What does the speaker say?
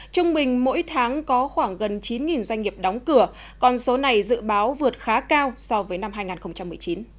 trung bình mỗi tháng có khoảng gần chín doanh nghiệp đóng cửa còn số này dự báo vượt khá cao so với năm hai nghìn một mươi chín